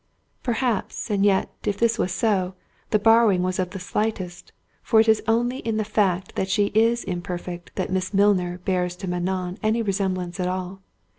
Perhaps; and yet, if this was so, the borrowing was of the slightest, for it is only in the fact that she is imperfect that Miss Milner bears to Manon any resemblance at all.